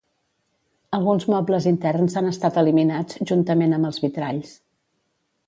Alguns mobles interns han estat eliminats juntament amb els vitralls.